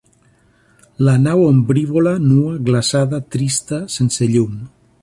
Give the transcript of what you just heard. La nau ombrívola, nua, glaçada, trista, sense llum.